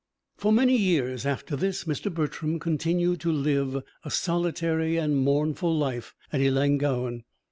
For many years after this Mr. Bertram continued to live a solitary and mournful life at Ellangowan.